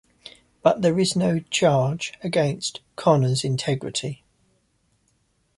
But there is no charge against Connor's integrity...